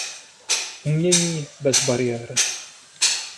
Umění bez bariér.